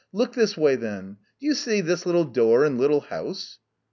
Look this way. Do you see that little door and that little house?